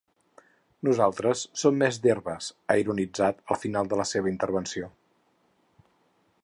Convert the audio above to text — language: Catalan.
Nosaltres som més d’herbes, ha ironitzat al final de la seva intervenció.